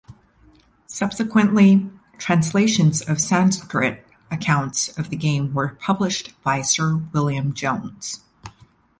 Subsequently, translations of Sanskrit accounts of the game were published by Sir William Jones.